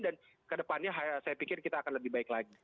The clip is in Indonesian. dan kedepannya saya pikir kita akan lebih baik lagi